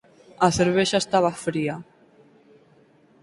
A cervexa estaba fría.